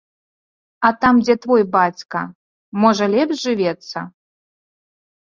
А там, дзе твой бацька, можа лепш жывецца?